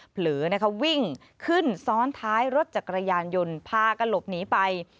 เผลอนะคะวิ่งขึ้นซ้อนท้ายรถจักรยานยนต์พากันหลบหนีไป